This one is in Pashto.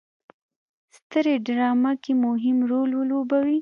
سترې ډرامه کې مهم رول ولوبوي.